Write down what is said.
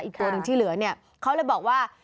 อีกตัวหนึ่งที่เหลือเขาเลยบอกว่า